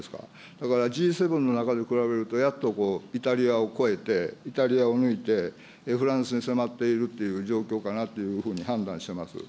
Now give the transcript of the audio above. だからＧ７の中で比べると、やっとイタリアを超えて、イタリアを抜いて、フランスに迫っているという状況かなというふうに判断してます。